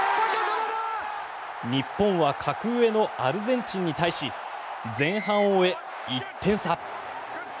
日本は格上のアルゼンチンに対し前半を終えて１点差。